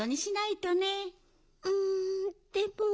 うんでも。